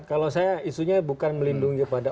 kalau saya isunya bukan melindungi pada